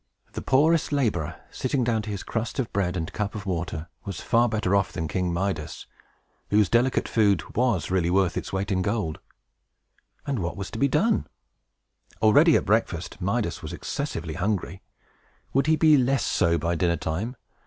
The poorest laborer, sitting down to his crust of bread and cup of water, was far better off than King Midas, whose delicate food was really worth its weight in gold. And what was to be done? Already, at breakfast, Midas was excessively hungry. Would he be less so by dinner time?